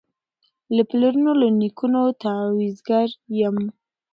له پلرونو له نیکونو تعویذګر یم